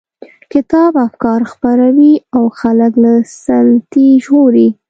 کتاب افکار خپروي او خلک له سلطې ژغوري.